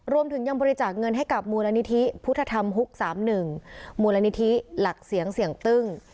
รวมถึงยังบริจาคเงินให้กับมูลนิธิพุทธธรรมฮุก๓๑มูลนิธิหลักเสียงเสี่ยงตึ้ง